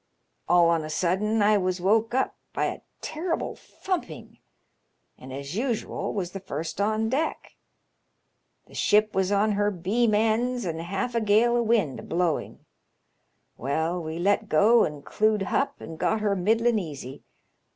All on a sudden I was woke up by a terrible thumping, and as usual was the first on deck. The ship was on her beam ends an' half a gale o' wind a blowin'. Well, we let go and clewed hup and got her middlin' easy.